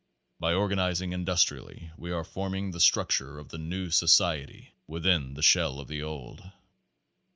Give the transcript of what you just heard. By organizing industrially we are forming the structure f the new society within the shell of the old.